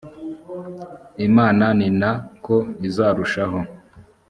imana ni na ko uzarushaho